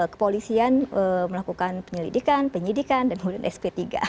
kepolisian melakukan penyelidikan penyidikan dan kemudian sp tiga